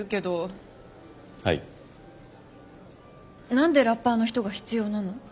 何でラッパーの人が必要なの？